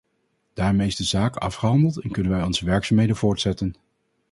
Daarmee is de zaak afgehandeld en kunnen wij onze werkzaamheden voortzetten.